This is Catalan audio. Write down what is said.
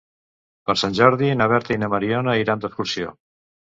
Per Sant Jordi na Berta i na Mariona iran d'excursió.